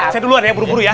saya duluan ya buru buru ya